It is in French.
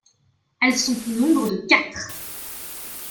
Elles sont au nombre de quatre.